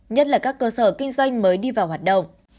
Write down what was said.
nhất là các cơ sở kinh doanh mới đi vào hoạt động